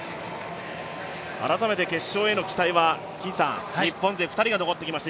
改めて決勝への期待は日本勢２人が残ってきました